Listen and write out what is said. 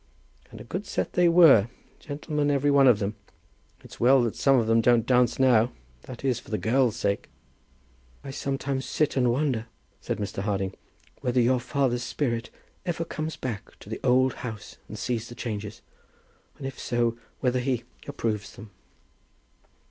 "And a good set they were; gentlemen every one of them. It's well that some of them don't dance now; that is, for the girls' sake." "I sometimes sit and wonder," said Mr. Harding, "whether your father's spirit ever comes back to the old house and sees the changes, and if so whether he approves them."